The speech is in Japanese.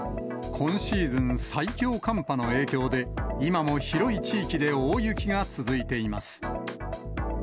今シーズン最強寒波の影響で、今も広い地域で大雪が続いています。